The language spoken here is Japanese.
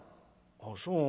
ああそう。